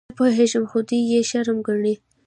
_نه پوهېږم، خو دوی يې شرم ګڼي.